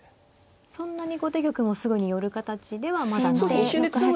そんなに後手玉もすぐに寄る形ではまだないんですね。